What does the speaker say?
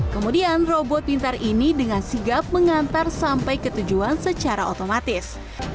kemudian robot pintar ini dengan sigap mengantar sampai ke tujuan secara otomatis